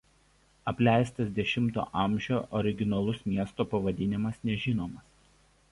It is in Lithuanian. Apleistas X a. Originalus miesto pavadinimas nežinomas.